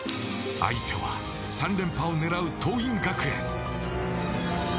相手は３連覇をねらう桐蔭学園。